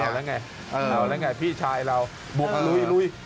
เอาแล้วไงพี่ชายเราบุบลุยเข้าไปเลย